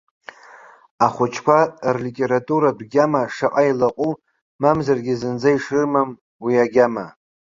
Ахәыҷқәа рлитературатә гьама шаҟа илаҟәу, мамзаргьы зынӡа ишрымам уи агьама.